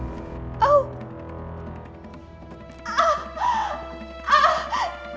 ya allah fim